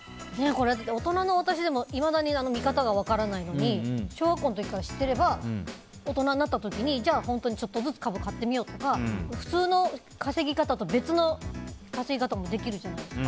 大人の私でもいまだに見方が分からないのに小学校の時から知ってれば大人になった時に本当にちょっとずつ株を買ってみようとか普通の稼ぎ方と別の稼ぎ方もできるじゃないですか。